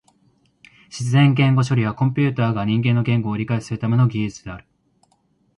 自然言語処理はコンピュータが人間の言語を理解するための技術である。